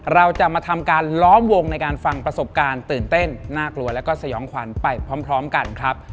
เราจะมาทำการล้อมวงในการฟังประสบการณ์ตื่นเต้นน่ากลัวแล้วก็สยองขวัญไปพร้อมกันครับ